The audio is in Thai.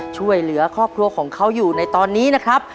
ช่วยเหลือครอบครัวของเขาอยู่ในตอนนี้นะครับ